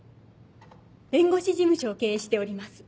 弁護士事務所を経営しております。